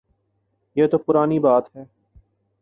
یہ تو پرانی بات ہے۔